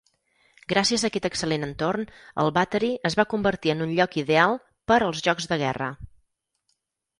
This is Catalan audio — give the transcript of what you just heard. Gràcies a aquest excel·lent entorn, el Battery es va convertir en un lloc ideal per els jocs de guerra.